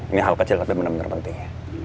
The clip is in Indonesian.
ini hal kecil tapi bener bener penting